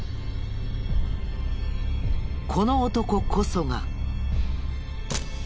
この男こそが。